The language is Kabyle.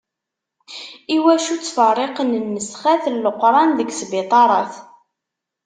Iwacu ttferriqen nnesxat n Leqran deg sbiṭarat?